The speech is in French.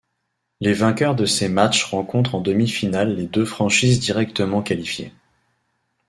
Les vainqueurs de ces matchs rencontrent en demi-finale les deux franchises directement qualifiées.